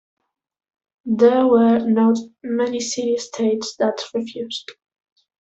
There were not many city-states that refused.